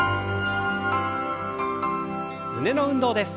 胸の運動です。